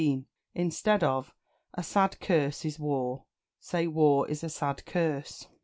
Instead of "A sad curse is war," say "War is a sad curse."